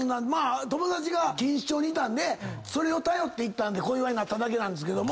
友達が錦糸町にいたんでそれを頼って行ったんで小岩になっただけなんですけども。